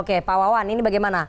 oke pak wawan ini bagaimana